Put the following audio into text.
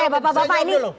oke bapak bapak ini